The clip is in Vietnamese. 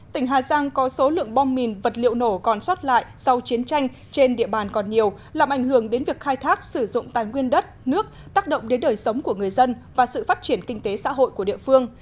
tỉnh hà giang có số lượng bom mìn vật liệu nổ còn sót lại sau chiến tranh trên địa bàn còn nhiều làm ảnh hưởng đến việc khai thác sử dụng tài nguyên đất nước tác động đến đời sống của người dân và sự phát triển kinh tế xã hội của địa phương